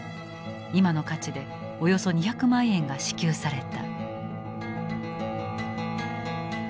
今の価値でおよそ２００万円が支給された。